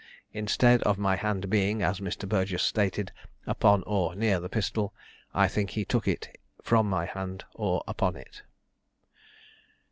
Instead of my hand being, as Mr. Burgess stated, upon or near the pistol, I think he took it from my hand, or upon it."